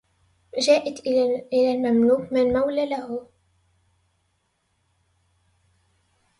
جاءت إلى المملوك من مولى له